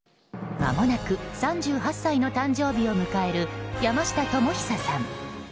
まもなく３８歳の誕生日を迎える、山下智久さん。